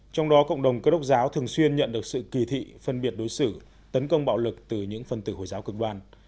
trong đó cộng đồng cơ đốc giáo thường xuyên nhận được sự kỳ thị phân biệt đối xử tấn công bạo lực từ những phân tử hồi giáo cực đoan